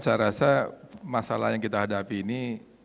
saya rasa masalah yang kita hadapi ini